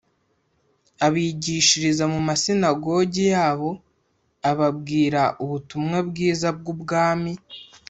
abigishiriza mu masinagogi yabo ababwira ubutumwa bwiza bw’ubwami